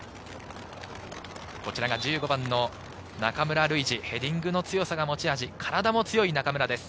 １５番の中村ルイジ、ヘディングの強さが持ち味、体も強い中村です。